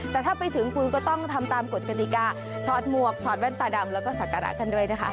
แต่ถ้าไปถึงคุณก็ต้องทำตามกฎกติกาถอดหมวกถอดแว่นตาดำแล้วก็ศักระท่านด้วยนะคะ